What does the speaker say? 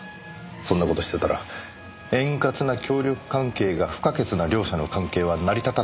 そんな事してたら円滑な協力関係が不可欠な両者の関係は成り立たなくなる。